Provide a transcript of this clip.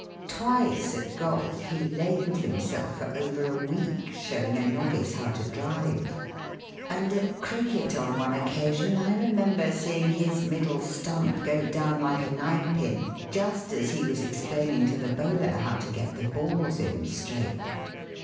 Twice at golf he lamed himself for over a week, showing a novice how to "drive"; and at cricket on one occasion I remember seeing his middle stump go down like a ninepin just as he was explaining to the bowler how to get the balls in straight.